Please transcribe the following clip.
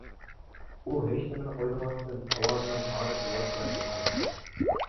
ئۇ ھېچنېمىنى ئويلىماستىن ئاۋازىنىڭ بارىچە ۋارقىراشقا باشلاپتۇ.